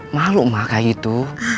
malu mah kayak gitu